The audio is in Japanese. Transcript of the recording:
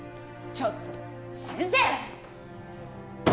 ちょっと先生！